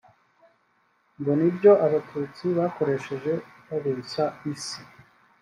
ngo ni ibyo abatutsi bakoresheje babeshya isi